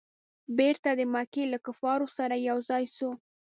بیرته د مکې له کفارو سره یو ځای سو.